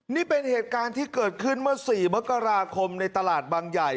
นี่เป็นเหตุการณ์ที่เกิดขึ้นเมื่อ๔มกราคมในตลาดบางใหญ่